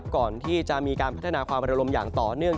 ก่อนที่จะมีการพัฒนาความระลมอย่างต่อเนื่อง